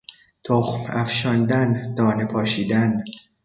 تخم افشاندن، دانه پاشیدن